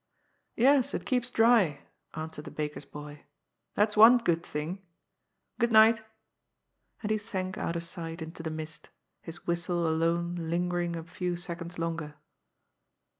" Yes, it keeps dry," answered the baker's boy. " That's one good thing. Good night." And he sank out of sight into the mist, his whistle alone lingering a few seconds longer.